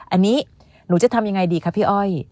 อันนี้หนูจะทำยังไงดีคะพี่อ้อย